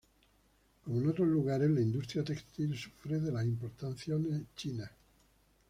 Como en otros lugares, la industria textil sufre de las importaciones chinas.